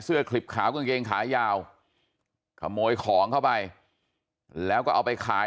คลิบขาวกางเกงขายาวขโมยของเข้าไปแล้วก็เอาไปขาย